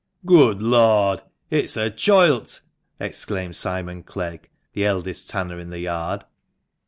" Good Lord ! It's a choilt 1 " exclaimed Simon Clegg, the eldest tanner in the yard.